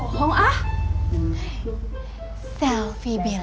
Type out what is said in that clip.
pak muhyiddin kabur